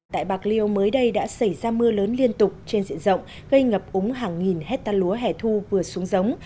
tại bạc liêu mới đây đã xảy ra mưa lớn liên tục trên diện rộng gây ngập úng hàng nghìn hecta lúa hẻ thu vừa xuống giống